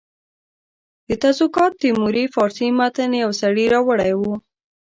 د تزوکات تیموري فارسي متن یو سړي راوړی وو.